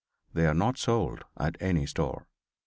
They are not sold at any store.